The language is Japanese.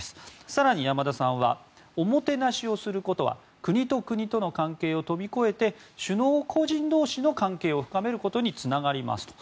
更に、山田さんはおもてなしをすることは国と国との関係を飛び越えて首脳個人同士の関係を深めることにつながりますと。